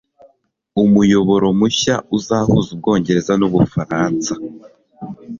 umuyoboro mushya uzahuza ubwongereza n'ubufaransa